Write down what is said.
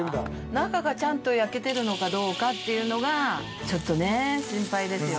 中がちゃんと焼けてるのかどうかっていうのがちょっとね心配ですよね。